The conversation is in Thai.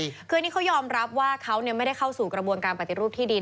คืออันนี้เขายอมรับว่าเขาไม่ได้เข้าสู่กระบวนการปฏิรูปที่ดิน